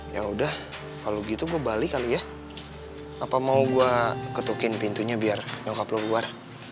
ya udah kalau gitu gue balik kali ya apa mau gue ketukin pintunya biar nyokap lo keluar